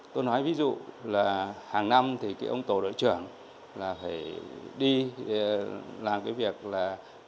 tôi nói ví dụ là hàng năm thì ông tổ đội trưởng là phải đi làm cái việc là